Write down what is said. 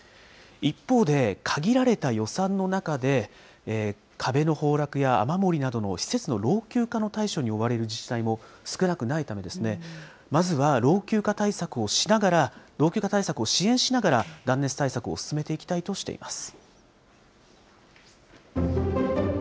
一方で、限られた予算の中で、壁の崩落や雨漏りなどの施設の老朽化の対処に追われる自治体も少なくないため、まずは老朽化対策をしながら老朽化対策を支援しながら、断熱対策を進めていきたいとしています。